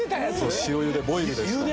塩茹でボイルでしたね。